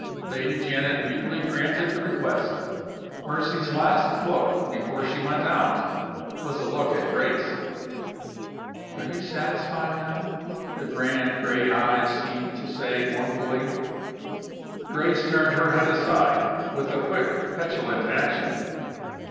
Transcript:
Lady Janet mutely granted the request. Mercy's last look, before she went out, was a look at Grace. "Are you satisfied now?" the grand gray eyes seemed to say, mournfully. Grace turned her head aside, with a quick, petulant action.